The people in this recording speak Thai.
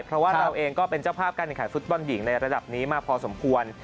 เพราะว่าเราเองก็เป็นเจ้าภาพการแข่งขันฟุตบอลหญิงในระดับนี้มาพอสมควร